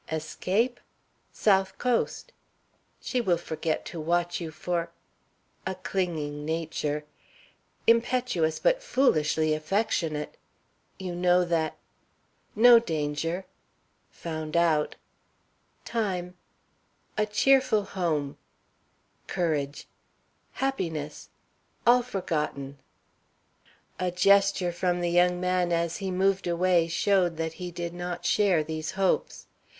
"Escape? South coast she will forget to watch you for a clinging nature impetuous, but foolishly affectionate you know that no danger found out time a cheerful home courage happiness all forgotten." A gesture from the young man as he moved away showed that he did not share these hopes.